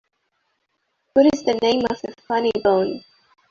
What is the name of the funny bone?